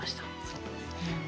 そうですね。